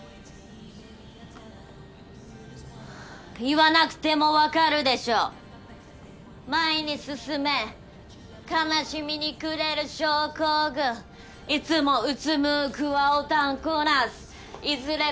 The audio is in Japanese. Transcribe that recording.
言わなくてもわかるでしょ前に進め悲しみに暮れる症候群いつもうつむくはオタンコナスいづれ